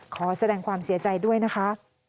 ขอแสดงความเสียใจด้วยนะคะ